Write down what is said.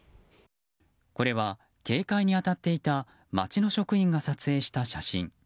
これは警戒に当たっていた町の職員が撮影した写真。